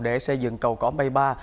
để xây dựng cầu cỏ mây ba